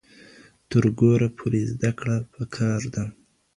تر ګوره پورې زده کړه پکار ده.